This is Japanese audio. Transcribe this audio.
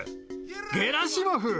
ゲラシモフ！